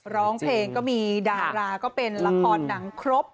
ร้องเพลงก็มีดาราก็เป็นละครหนังครบ